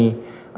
ada juga dari